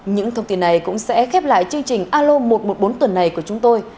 những thông tin này cũng sẽ khép lại chương trình alo một trăm một mươi bốn tuần này của chúng tôi